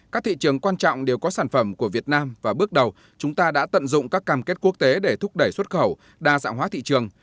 các thị trường quan trọng đều có sản phẩm của việt nam và bước đầu chúng ta đã tận dụng các cam kết quốc tế để thúc đẩy xuất khẩu đa dạng hóa thị trường